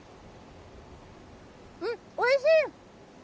うん、おいしい。